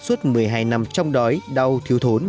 suốt một mươi hai nằm trong đói đau thiếu thốn